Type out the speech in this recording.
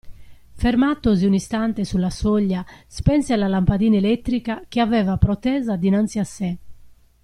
Fermatosi un istante sulla soglia, spense la lampadina elettrica, che aveva protesa dinanzi a sé.